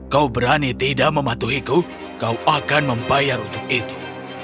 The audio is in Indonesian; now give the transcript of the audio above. kau berani tidak mematuhiku kau akan membayar untuk itu